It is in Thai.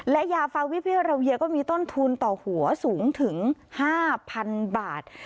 และยาฟาวิพิราเวียก็มีต้นทุนต่อหัวสูงถึง๕๐๐๐บาท